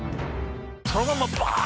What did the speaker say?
そのまんまバー